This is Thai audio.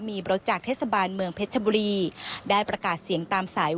มีรถจากเทศบาลเมืองเพชรชบุรีได้ประกาศเสียงตามสาย